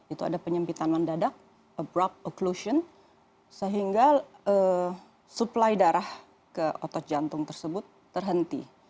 itu ada penyempitan mandadak abrupt occlusion sehingga supply darah ke otot jantung tersebut terhenti